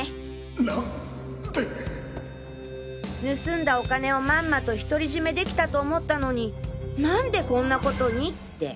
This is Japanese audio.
なんで盗んだお金をまんまと独り占めできたと思ったのに何でこんな事にって。